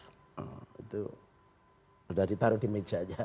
sudah ditaruh di meja